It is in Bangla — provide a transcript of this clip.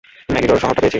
ম্যাগিডোর শহরটা পেয়েছি।